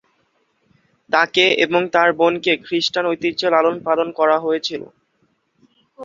তাকে এবং তার বোনকে "খ্রিস্টান ঐতিহ্যে লালন-পালন করা হয়েছিল"।